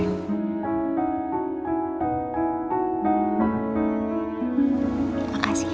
masih batuk batuk terus lagi nih